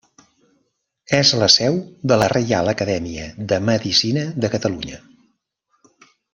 És la seu de la Reial Acadèmia de Medicina de Catalunya.